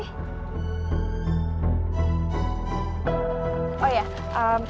ngapain sih nekat kesini